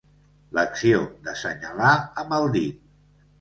L'acció d'assenyalar amb el dit.